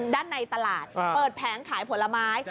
ด้านในตลาดเปิดแผงขายผลไม้